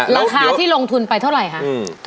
ราคาที่ลงทุนไปเท่าไหร่คะ